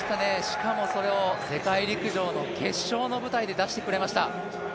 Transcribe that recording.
しかもそれを世界陸上の決勝の舞台で出してくれました。